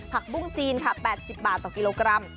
ปุ้งจีนค่ะ๘๐บาทต่อกิโลกรัม